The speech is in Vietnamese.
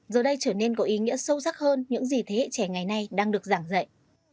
giờ đây trở nên có ý nghĩa sâu sắc hơn những gì thế hệ trẻ ngày nay đang được giảng dạy